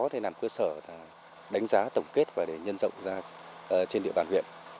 trạm khuyến đông có thể làm cơ sở đánh giá tổng kết và để nhân rộng ra trên địa bàn huyện